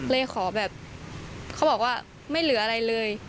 เลยขอแบบเขาบอกว่าไม่เหลืออะไรเลย